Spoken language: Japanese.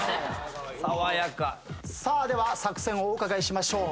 では作戦をお伺いしましょう。